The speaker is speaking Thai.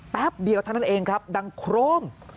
แป๊บเดียวเท่านั้นเองครับดังโครม